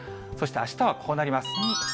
そして、あしたはこうなります。